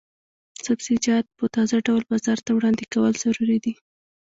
سبزیجات په تازه ډول بازار ته وړاندې کول ضروري دي.